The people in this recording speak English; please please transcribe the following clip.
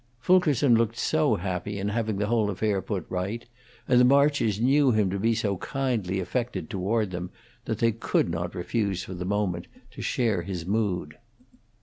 Fulkerson looked so happy in having the whole affair put right, and the Marches knew him to be so kindly affected toward them, that they could not refuse for the moment to share his mood.